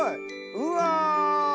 うわ！